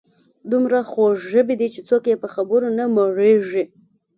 دومره خوږ ژبي دي چې څوک یې په خبرو نه مړیږي.